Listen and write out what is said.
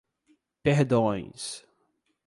Perdões